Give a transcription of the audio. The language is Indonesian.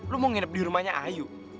lo mau nginep di rumahnya ayu